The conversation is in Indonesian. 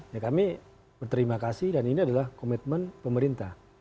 ya kami berterima kasih dan ini adalah komitmen pemerintah